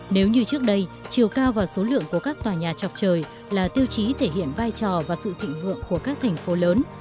nếu như trước đây chiều cao và số lượng của các tòa nhà chọc trời là tiêu chí thể hiện vai trò và sự thịnh vượng của các thành phố lớn